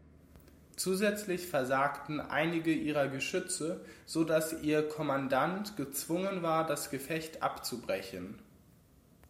Zusätzlich versagten einige ihrer Geschütze, so dass ihr Kommandant gezwungen war das Gefecht abzubrechen.